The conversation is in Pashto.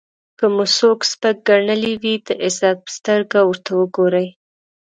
که مو څوک سپک ګڼلی وي د عزت په سترګه ورته وګورئ.